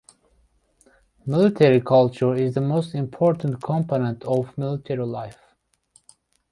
Military culture is the most important component of military life.